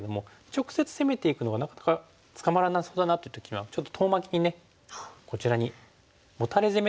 直接攻めていくのはなかなか捕まらなさそうだなっていう時にはちょっと遠巻きにねこちらにモタレ攻めともいうんですけど。